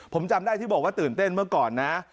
ผมจำได้ที่บอกว่าตื่นเต้นเมื่อก่อนนะ